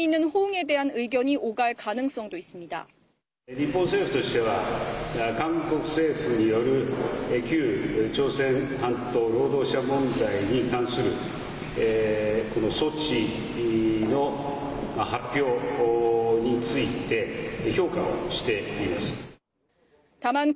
日本政府としては韓国政府による旧朝鮮半島労働者問題に関するこの措置の発表について評価をしています。